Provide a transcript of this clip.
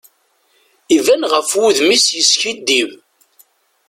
Iban ɣef wudem-is yeskiddib.